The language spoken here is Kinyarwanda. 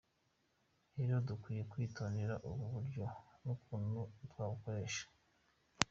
"Rero dukwiye kwitondera ubu buryo n'ukuntu twabukoresha".